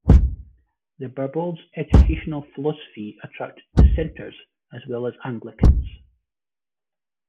The Barbaulds' educational philosophy attracted Dissenters as well as Anglicans.